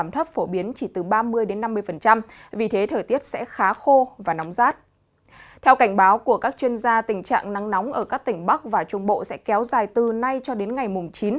theo cảnh báo của các chuyên gia tình trạng nắng nóng ở các tỉnh bắc và trung bộ sẽ kéo dài từ nay cho đến ngày mùng chín